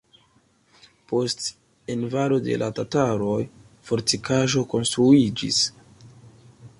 Post invado de la tataroj fortikaĵo konstruiĝis.